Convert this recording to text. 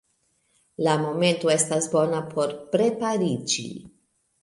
La momento estas bona por prepariĝi.